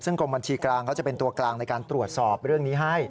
ซึ่งกรมบัญชีกลางเขาจะเป็นตัวกลางในการตรวจสอบเรื่องนี้ให้